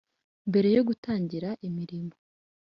Mbere yo gutangira imirimo